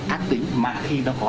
ác tính mà khi nó có